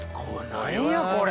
何やこれ！